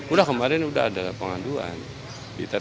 udah kemarin udah ada pengaduan di ttj